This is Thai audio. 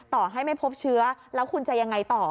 ต่อให้ไม่พบเชื้อแล้วคุณจะยังไงต่อ